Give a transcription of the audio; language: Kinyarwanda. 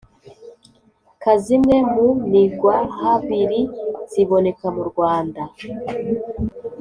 ka zimwe mu nigwahabiri ziboneka mu Rwanda